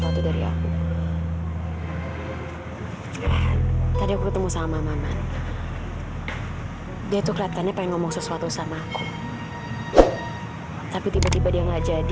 untuk dara dan sama ada ini sebagai anak yang lebih baik